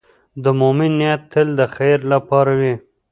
د مؤمن نیت تل د خیر لپاره وي.